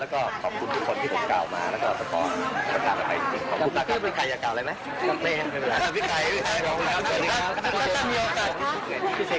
แล้วก็ขอบคุณทุกคนที่ผมกล่าวมาและทุกคนทามเข้าไปจริง